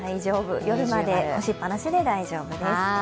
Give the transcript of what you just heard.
夜まで干しっぱなしで大丈夫です。